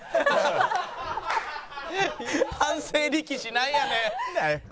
反省力士なんやねん！